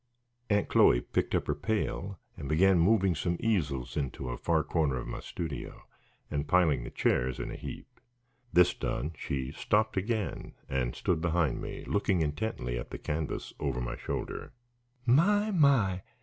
Aunt Chloe picked up her pail and began moving some easels into a far corner of my studio and piling the chairs in a heap. This done, she stopped again and stood behind me, looking intently at the canvas over my shoulder. "My! My!